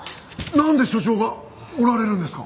なんで署長がおられるんですか？